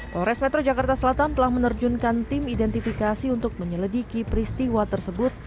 polres metro jakarta selatan telah menerjunkan tim identifikasi untuk menyelidiki peristiwa tersebut